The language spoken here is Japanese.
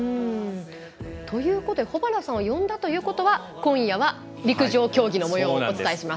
ということで、保原さんを呼んだということは今夜は陸上競技の模様をお伝えします。